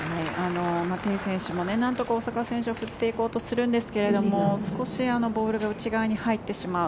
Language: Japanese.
テイ選手もなんとか大坂選手を振っていこうとするんですが少しボールが内側に入ってしまう。